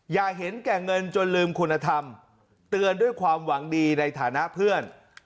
อย่าเห็นแก่เงินจนลืมคุณธรรมเตือนด้วยความหวังดีในฐานะเพื่อน